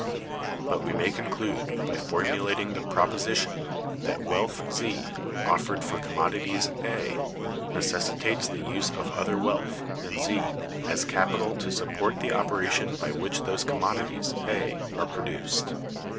But we may conclude by formulating the proposition, that wealth (Z) offered for commodities (A) necessitates the use of other wealth (than Z) as capital to support the operation by which those commodities (A) are produced.